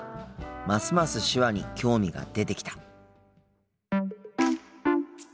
ますます手話に興味が出てきた。